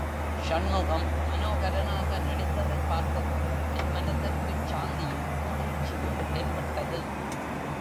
ஷண்முகம் மனோகரனாக நடித்ததைப் பார்த்ததும் என்மனதிற்குச் சாந்தியும் மகிழ்ச்சியும் ஏற்பட்டது.